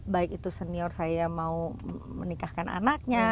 baik itu senior saya mau menikahkan anaknya